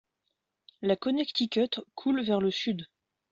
La Connecticut coule vers le Sud.